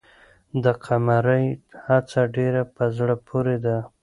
د قمرۍ هڅه ډېره په زړه پورې ده.